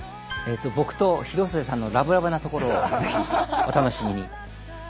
僕と広末さんのラブラブなところをぜひお楽しみに。